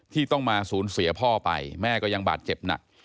ที่ต้องมาสูญเสียพ่อไปแม่ก็ยังบาดเจ็บหนัก